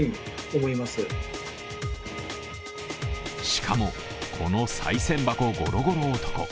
しかも、このさい銭箱ゴロゴロ男